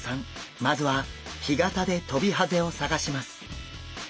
まずは干潟でトビハゼを探します。